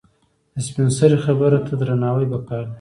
د سپینسرې خبره ته درناوی پکار دی.